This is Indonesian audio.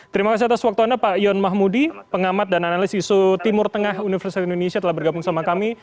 terima kasih atas waktu anda pak yon mahmudi pengamat dan analis isu timur tengah universitas indonesia telah bergabung sama kami